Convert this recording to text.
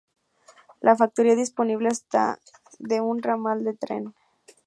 La factoría disponía hasta de un ramal de tren.